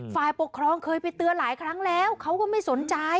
ฝ่ายปกครองเคยไปเตือนหลายครั้งแล้วเขาก็ไม่สนใจ